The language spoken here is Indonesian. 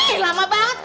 ih lama banget